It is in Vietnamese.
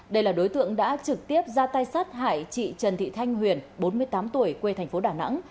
đây là đối tượng đã trực tiếp ra tay sát hại chị trần thị thanh huyền bốn mươi tám tuổi quê thành phố đà nẵng